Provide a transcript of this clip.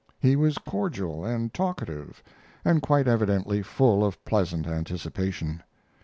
He was cordial and talkative, and quite evidently full of pleasant anticipation.